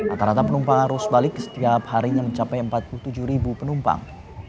atarata penumpang arus balik setiap harinya mencapai empat puluh tujuh penumpang